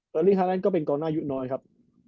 เบอร์ลิ่งฮาร์แลนด์ก็เป็นกองหน้ายุคน้อยครับ